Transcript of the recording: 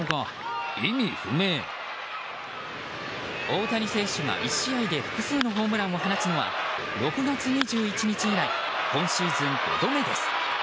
大谷選手が１試合で複数のホームランを放つのは６月２１日以来今シーズン５度目です。